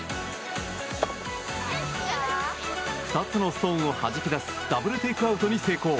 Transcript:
２つのストーンをはじき出すダブルテイクアウトに成功。